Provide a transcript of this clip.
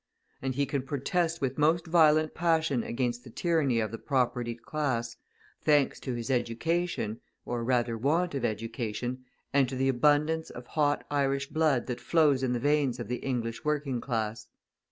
And he can protest with most violent passion against the tyranny of the propertied class, thanks to his education, or rather want of education, and to the abundance of hot Irish blood that flows in the veins of the English working class.